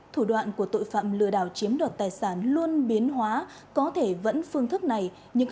thủ đoạn của tội phạm lừa đảo chiếm đoạt tài sản luôn biến hóa có thể vẫn phương thức này